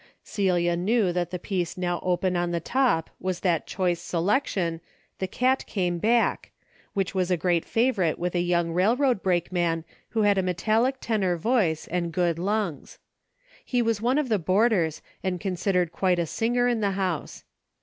Celia knew that the piece noAv open on the top Avas that choice se lection " The Cat came back," Avhich Avas a great favorite with a young railroad brakeman Avho had a metallic tenor voice and good lungs. He Avas one of the boarders and con sidered quite a singer in the house.